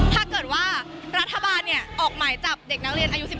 ถ้าเกิดว่ารัฐบาลออกหมายจับเด็กนักเรียนอายุ๑๓